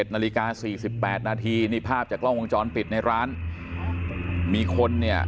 นาฬิกา๔๘นาทีนี่ภาพจากกล้องวงจรปิดในร้านมีคนเนี่ย